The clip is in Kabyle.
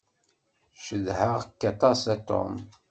Cedheɣ-k aṭas a Tom.